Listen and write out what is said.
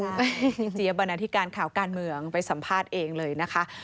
จริงเสียบรรณาธิการข่าวการเมืองไปสัมภาษณ์เองเลยนะคะ